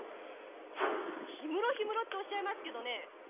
氷室氷室とおっしゃいますけどね